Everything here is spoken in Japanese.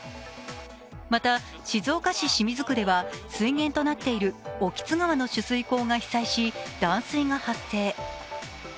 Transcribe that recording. また、静岡市清水区では水源となっている興津川の取水口が被災し、断水が発生。